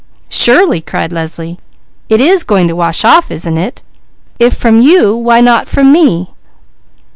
"Surely!" cried Leslie. "It is going to wash off, isn't it? If from you, why not from me?"